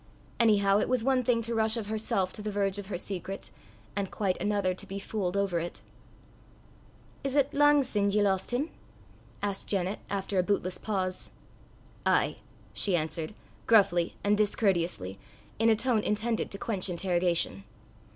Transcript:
Anyhow, it was one thing to rush of herself to the verge of her secret, and quite another to be fooled over it. "Is 't lang sin ye lost him?" asked Janet, after a bootless pause. "Ay," she answered, gruffly and discourteously, in a tone intended to quench interrogation.